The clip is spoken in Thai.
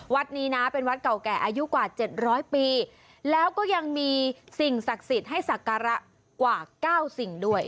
วัดนี้นะเป็นวัดเก่าแก่อายุกว่าเจ็ดร้อยปีแล้วก็ยังมีสิ่งศักดิ์สิทธิ์ให้ศักระกว่า๙สิ่งด้วย